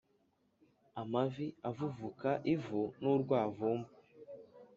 amavi avuvuka ivu n’urwavumba